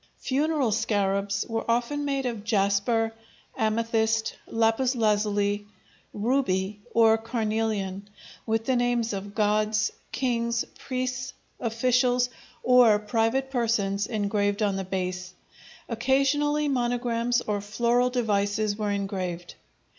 Funeral scarabs were often made of jasper, amethyst, lapis lazuli, ruby, or carnelian, with the names of gods, kings, priests, officials, or private persons engraved on the base; occasionally monograms or floral devices were engraved.